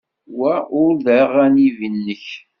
Wa ur d aɣanib-nnek.